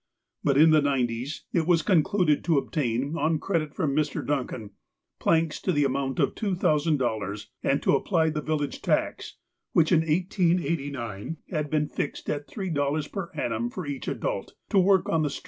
But in the nineties, it was concluded to obtain, on credit from Mr. Duncan, planks to the amount of $2,000, and to apply the village tax, which in 1889 had been fixed at three dollars per annum for each adult, to work on the Btreels.